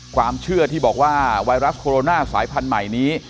ความเชื่อที่บอกว่าไวรัสโคโรนาสายพันธุ์ใหม่นี้